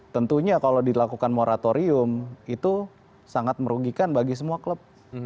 tentunya kalau dilakukan moratorium itu sangat merugikan bagi semua klub